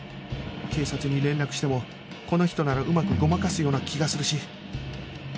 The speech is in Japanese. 警察に連絡してもこの人ならうまくごまかすような気がするし